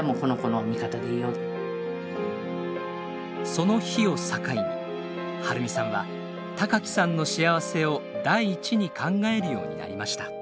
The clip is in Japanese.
その日を境に春美さんは貴毅さんの幸せを第一に考えるようになりました。